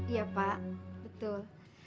iya pak betul